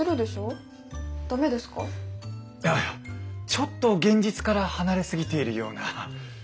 ちょっと現実から離れ過ぎているような。